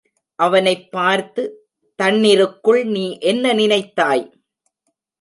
அவனைப் பார்த்து, தண்ணிருக்குள் நீ என்ன நினைத்தாய்?